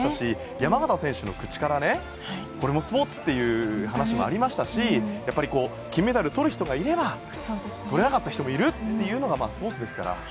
山縣選手の口からこれもスポーツという話もありましたし金メダルとる人がいればとれなかった人がいるというのがスポーツですから。